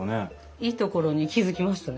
いいところに気付きましたね！